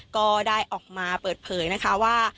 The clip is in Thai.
ก็ได้ออกมาเปิดเผยนะคะว่า